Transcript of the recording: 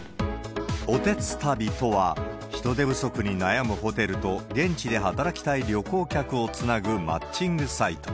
おてつたびとは、人手不足に悩むホテルと現地で働きたい旅行客をつなぐマッチングサイト。